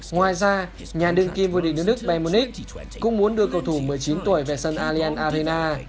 ngoài ra nhà đường kim vua địch nước nước bayern munich cũng muốn đưa cầu thủ một mươi chín tuổi về sân allianz arena